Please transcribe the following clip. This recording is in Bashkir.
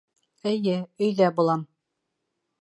Эйе, өйҙә булам.